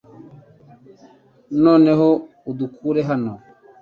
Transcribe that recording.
Noneho udukure hano .